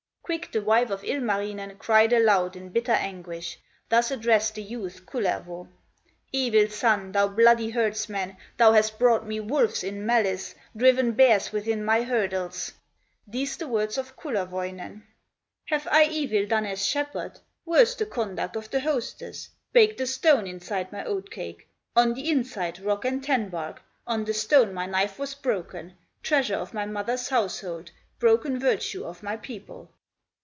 Quick the wife of Ilmarinen Cried aloud in bitter anguish, Thus addressed the youth, Kullervo: "Evil son, thou bloody herdsman, Thou hast brought me wolves in malice, Driven bears within my hurdles!" These the words of Kullerwoinen: "Have I evil done as shepherd, Worse the conduct of the hostess; Baked a stone inside my oat cake, On the inside, rock and tan bark, On the stone my knife, was broken, Treasure of my mother's household, Broken virtue of my people!"